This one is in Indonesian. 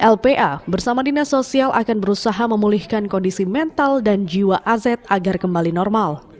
lpa bersama dinas sosial akan berusaha memulihkan kondisi mental dan jiwa az agar kembali normal